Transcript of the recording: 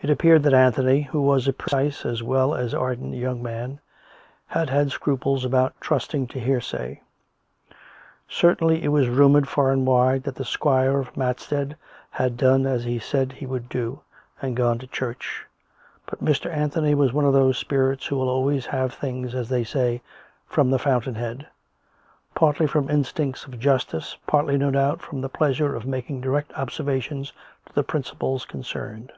It appeared that Anthony, who was a precise as well as an ardent young man, had had scruples about trusting to hearsay. Certainly it was rumoured far and wide that the squire of Matstead had done as he had said he would do, and gone to church; but Mr. Anthony was one of those COME RACK! COME ROPE! 109 spirits who will always have things, as they say, from the fountain head; partly from instincts of justice, partly, no doubt, for the pleasure of making direct observations to the principals concerned.